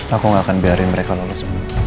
aku gak akan biarin mereka lulus